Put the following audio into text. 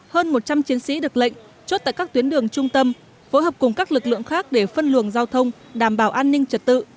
hơn một trăm linh chiến sĩ được lệnh chốt tại các tuyến đường trung tâm phối hợp cùng các lực lượng khác để phân luồng giao thông đảm bảo an ninh trật tự